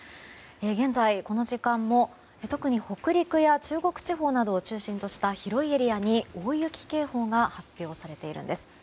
現在、この時間も特に北陸や中国地方などを中心とした広いエリアに大雪警報が発表されているんです。